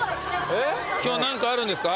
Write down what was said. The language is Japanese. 今日は何かあるんですか？